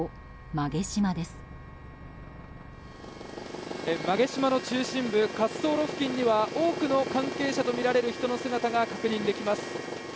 馬毛島の中心部滑走路付近には多くの関係者とみられる人の姿が確認できます。